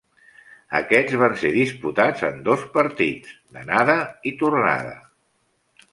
Aquests van ser disputats en dos partits, d'anada i tornada.